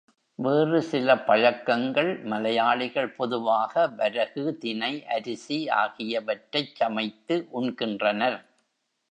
வேறு சில பழக்கங்கள் மலையாளிகள் பொதுவாக வரகு, தினை, அரிசி ஆகியவற்றைச் சமைத்து உண்கின்றனர்.